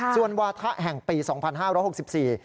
ส่วนวาทะแห่งปี๒๕๖๔